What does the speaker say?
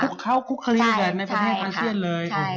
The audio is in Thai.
ในประเทศอาเซียนเลย